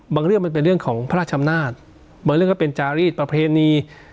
เรื่องมันเป็นเรื่องของพระราชชำนาจบางเรื่องก็เป็นจารีสประเพณี